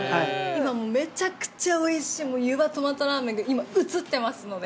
今めちゃくちゃおいしいゆばトマトラーメンが映ってますので。